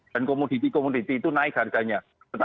dan komoditi komoditi itu naik harganya